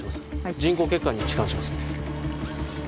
人工血管に置換します